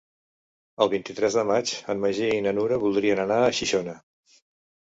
El vint-i-tres de maig en Magí i na Nura voldrien anar a Xixona.